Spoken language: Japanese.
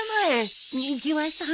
みぎわさん